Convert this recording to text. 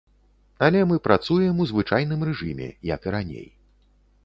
Але мы працуем у звычайным рэжыме, як і раней.